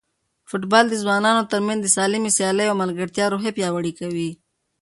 فوټبال د ځوانانو ترمنځ د سالمې سیالۍ او ملګرتیا روحیه پیاوړې کوي.